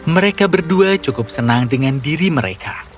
mereka berdua cukup senang dengan diri mereka